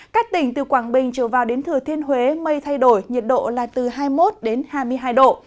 các tỉnh từ quảng bình trở vào đến thừa thiên huế mây thay đổi nhiệt độ là từ hai mươi một hai mươi hai độ